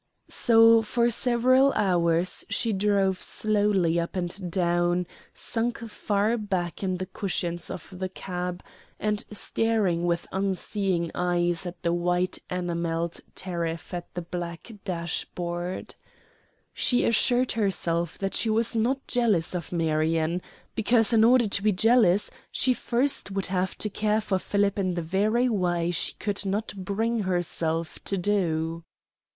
So for several hours she drove slowly up and down, sunk far back in the cushions of the cab, and staring with unseeing eyes at the white enamelled tariff and the black dash board. She assured herself that she was not jealous of Marion, because, in order to be jealous, she first would have to care for Philip in the very way she could not bring herself to do.